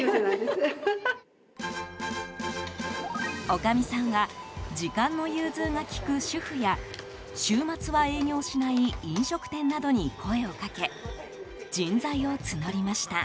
女将さんは時間の融通が利く主婦や週末は営業しない飲食店などに声をかけ、人材を募りました。